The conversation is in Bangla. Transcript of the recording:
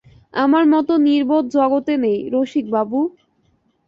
আমার মতো নির্বোধ জগতে নেই রসিকবাবু!